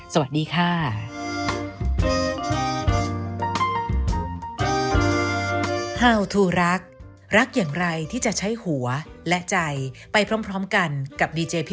สวัสดีค่ะ